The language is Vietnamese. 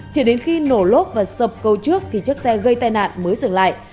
chỉ đến khi nổ lốp và sập cầu trước thì chiếc xe gây tai nạn mới dừng lại